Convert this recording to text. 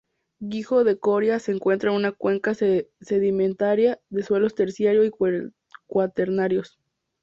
Guijo de Coria se encuentra en una cuenca sedimentaria de suelos terciarios y cuaternarios.